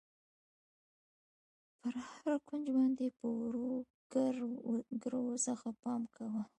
پر هر کونج باندې په ورو ګر وځه، ښه پام کوه.